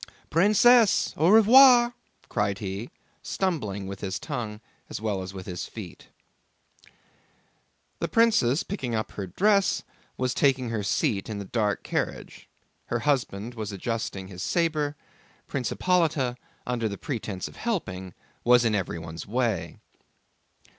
"Princesse, au revoir," cried he, stumbling with his tongue as well as with his feet. The princess, picking up her dress, was taking her seat in the dark carriage, her husband was adjusting his saber; Prince Hippolyte, under pretense of helping, was in everyone's way.